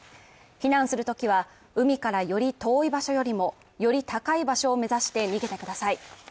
避難するときは、海からより遠い場所よりもより高い場所を目指して逃げてください。